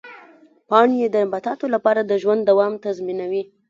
پاڼې د نباتاتو لپاره د ژوند دوام تضمینوي.